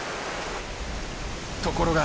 ところが。